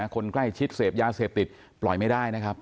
คนใกล้ชิดเสพยาเสพติดปล่อยไม่ได้นะครับ